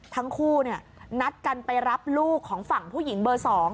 ทั้งคู่นัดกันไปรับลูกของฝั่งผู้หญิงเบอร์๒